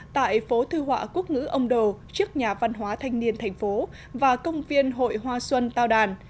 tại phố thư họa quốc ngữ ông đồ trước nhà văn hóa thanh niên thành phố và công viên hội hoa xuân tao đàn